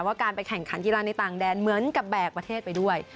ว่าการไปแข่งขันกีฬาในต่างแดนเหมือนกับแบกประเทศไปด้วย